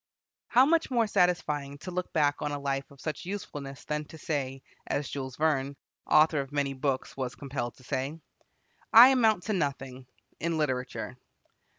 How much more satisfying to look back on a life of such usefulness than to say, as Jules Verne, author of many books, was compelled to say, "I amount to nothing ... in literature."